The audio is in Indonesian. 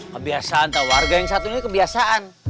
kebiasaan warga yang satu ini kebiasaan